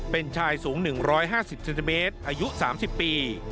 เป็นชายสูง๑๕๐เซนติเมตรอายุ๓๐ปี